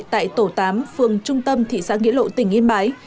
tại tổ tám phường trung tâm thị xã nghĩa lộ tỉnh yên bái